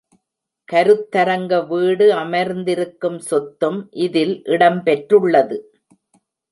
கருத்தரங்க வீடு அமர்ந்திருக்கும் சொத்தும் இதில் இடம்பெற்றுள்ளது.